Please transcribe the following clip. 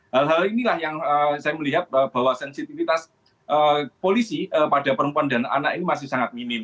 hal hal inilah yang saya melihat bahwa sensitivitas polisi pada perempuan dan anak ini masih sangat minim